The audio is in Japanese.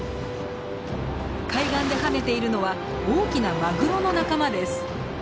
海岸で跳ねているのは大きなマグロの仲間です。